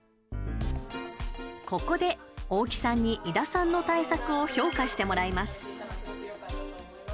ここで、大木さんに、井田さんの対策を評価してもらいます。